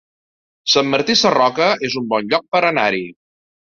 Sant Martí Sarroca es un bon lloc per anar-hi